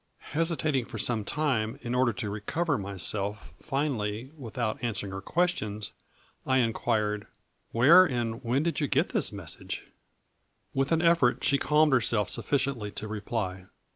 Hesi tating for some time in order to recover myself 102 A FLURRY IN DIAMONDS. finally, without answering her questions, I in quired :" Where and when did you get this mes sage ?" With an effort she calmed herself sufficiently to reply.